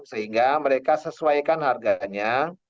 sehingga mereka sesuaikan harganya